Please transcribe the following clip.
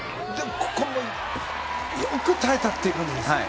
ここもよく耐えたという感じですか。